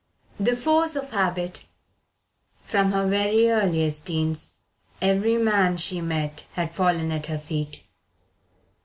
THE FORCE OF HABIT FROM her very earliest teens every man she met had fallen at her feet.